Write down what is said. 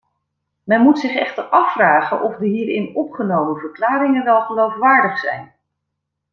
Men moet zich echter afvragen of de hierin opgenomen verklaringen wel geloofwaardig zijn.